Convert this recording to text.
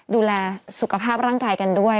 ดูแลสุขภาพร่างกายกันด้วย